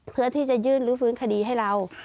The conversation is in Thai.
เพื่อที่จะยื่นลื้อฟื้นคดีให้เรา